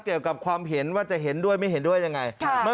เกี่ยวกับความเห็นว่าจะเห็นด้วยไม่เห็นด้วยยังไง